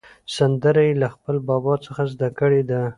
سندره یې له خپل بابا څخه زده کړې ده.